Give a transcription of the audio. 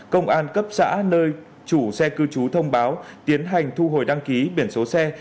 công an cấp xã nơi chủ xe cư trú thông báo tiến hành thu hồi đăng ký biển số xe